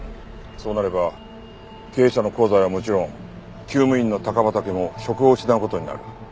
そうなれば経営社の香西はもちろん厩務員の高畠も職を失う事になる。